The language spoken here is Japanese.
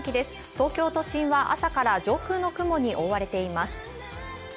東京都心は朝から上空の雲に覆われています。